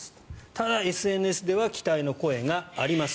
ただ、ＳＮＳでは期待の声があります。